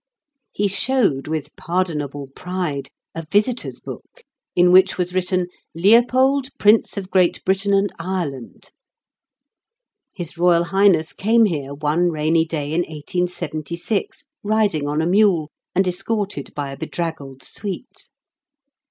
He showed, with pardonable pride, a visitors' book in which was written "Leopold, Prince of Great Britain and Ireland." His Royal Highness came here one rainy day in 1876, riding on a mule, and escorted by a bedraggled suite.